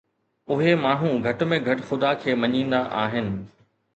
اهي ماڻهو گهٽ ۾ گهٽ خدا کي مڃيندا آهن.